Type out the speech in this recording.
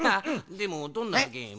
でもどんなゲーム？